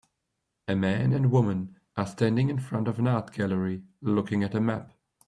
A man and woman are standing in front of an art gallery, looking at a map.